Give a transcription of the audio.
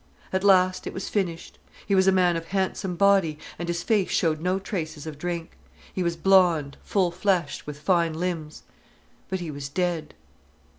At last it was finished. He was a man of handsome body, and his face showed no traces of drink. He was blonde, full fleshed, with fine limbs. But he was dead.